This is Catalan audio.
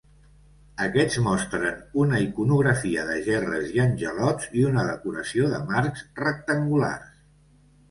Aquests mostren una iconografia de gerres i angelots i una decoració de marcs rectangulars.